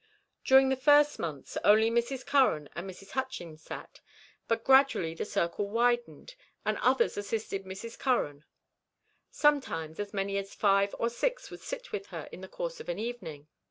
During the first months only Mrs. Curran and Mrs. Hutchings sat, but gradually the circle widened, and others assisted Mrs. Curran. Sometimes as many as five or six would sit with her in the course of an evening.